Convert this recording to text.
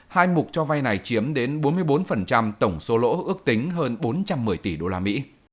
hai mục cho vay này chiếm đến bốn mươi bốn tổng số lỗ ước tính hơn bốn trăm một mươi tỷ usd